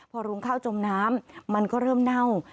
พอรุงข้าวจมน้ำมันก็เริ่มเน่า